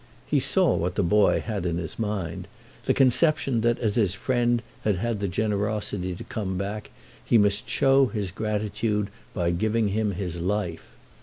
He saw what the boy had in his mind; the conception that as his friend had had the generosity to come back he must show his gratitude by giving him his life.